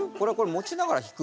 持ちながら弾く！？